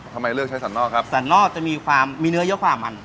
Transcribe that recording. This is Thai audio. ทำไมเลือกใช้สันนอกครับสันนอกจะมีความมีเนื้อเยอะกว่ามัน